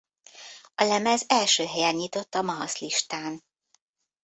A lemez első helyen nyitott a Mahasz listán.